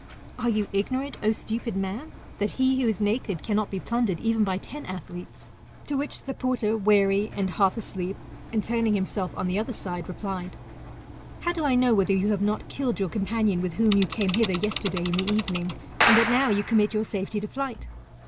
Are you ignorant, O stupid man, that he who is naked cannot be plundered even by ten athleiae? To which the porter, weary, and half asleep, and 10 THE METAMORPHOSIS, OR turning himself on the other side, replied, How do I know, whether you have not killed your companion with whom you came hither yesterday in the evening, and that now you commit your safety to flight